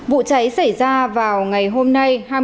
vụ cháy xảy ra vào ngày hôm nay